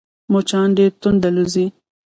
مچان ډېر تند الوزي